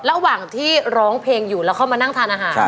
ระหว่างที่ร้องเพลงอยู่แล้วเข้ามานั่งทานอาหาร